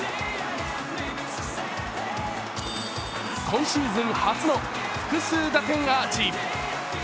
今シーズン初の複数打点アーチ。